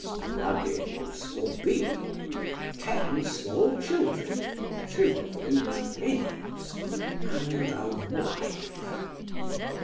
"Spruggins for Beadle. Ten small children (two of them twins), and a wife